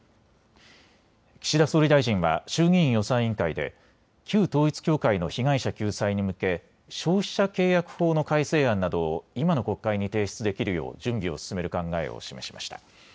岸田総理大臣は衆議院予算委員会で旧統一教会の被害者救済に向け消費者契約法の改正案などを今の国会に提出できるよう準備を進める考えを示しました。